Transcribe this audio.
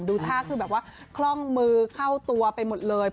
ดูท่าคือแบบว่าคล่องมือเข้าตัวไปหมดเลย